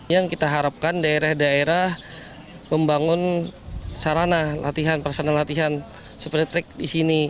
yang kita harapkan daerah daerah membangun sarana latihan personal latihan seperti trik di sini